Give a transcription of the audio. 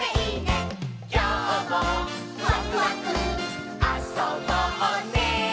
「きょうもワクワクあそぼうね」